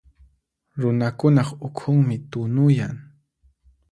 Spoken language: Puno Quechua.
Runakunaq ukhunmi tunuyan.